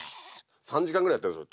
３時間ぐらいやってるんですよ